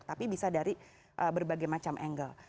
tapi bisa dari berbagai macam angle